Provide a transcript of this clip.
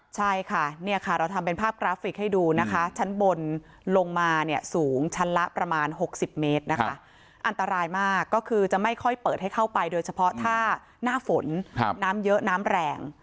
ใช่ค่ะเนี่ยค่ะเราทำเป็นภาพกราฟิกให้ดูนะคะชั้นบนลงมาเนี่ยสูงชั้นละประมาณ๖๐เมตรนะคะอันตรายมากก็คือจะไม่ค่อยเปิดให้เข้าไปโดยเฉพาะถ้าหน้าฝนน้ำเยอะน้ำแรง